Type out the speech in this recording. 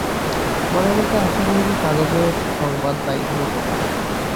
মনের মধ্যে আশা রহিল, কাগজে সংবাদ বাহির হইবে না।